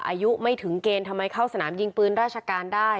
อายุไม่ถึงเกณฑ์ทำไมเข้าสนามยิงปืนราชการได้